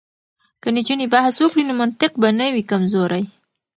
که نجونې بحث وکړي نو منطق به نه وي کمزوری.